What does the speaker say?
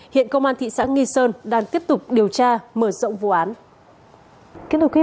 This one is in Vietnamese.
hiện công an thị xã nghi sơn đang tiếp tục điều tra mở rộng vụ án